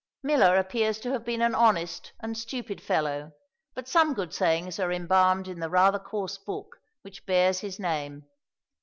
Miller appears to have been an honest, and stupid fellow, but some good sayings are embalmed in the rather coarse book which bears his name.